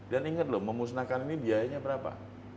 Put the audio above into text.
dan ingat lho memusnahkan ini biayanya berapa